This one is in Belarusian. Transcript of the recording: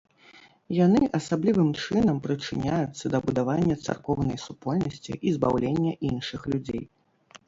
Яны асаблівым чынам прычыняюцца да будавання царкоўнай супольнасці і збаўлення іншых людзей.